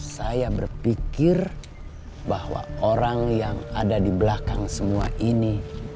saya berpikir bahwa orang yang ada di belakang semua ini